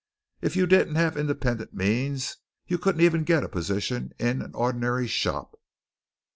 If you didn't have independent means, you couldn't even get a position in an ordinary shop.